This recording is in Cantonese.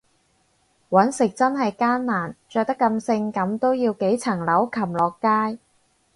搵食真係艱難，着得咁性感都要幾層樓擒落街